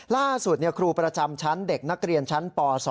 ครูประจำชั้นเด็กนักเรียนชั้นป๒